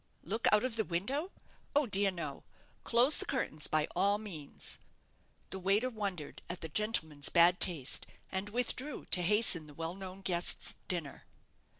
"Look out of the window? oh, dear no! Close the curtains by all means." The waiter wondered at the gentleman's bad taste, and withdrew to hasten the well known guest's dinner.